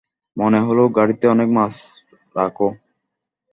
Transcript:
মনে হলো গাড়িতে অনেক মাছ রাখো।